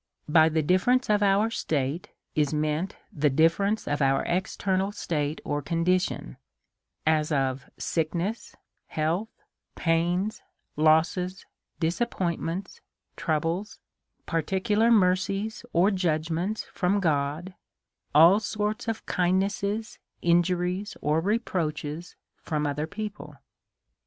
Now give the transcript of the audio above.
By the difference of our state is meant the differ ence of our eternal state or condition^, as of sickness, health, pains, losses, disappointments, troubles, parti cular mercies or judgments from God; all sorts of kindnesses, injuries, or reproaches, from other people.